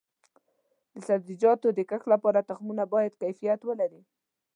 د سبزیجاتو د کښت لپاره تخمونه باید کیفیت ولري.